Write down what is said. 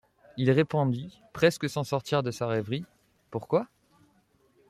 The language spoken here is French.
Il répondit, presque sans sortir de sa rêverie: — Pourquoi?